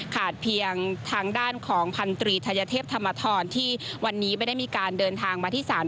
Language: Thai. เพียงทางด้านของพันธรีไทยเทพธรรมธรที่วันนี้ไม่ได้มีการเดินทางมาที่ศาล